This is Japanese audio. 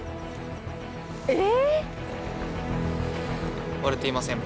えっ！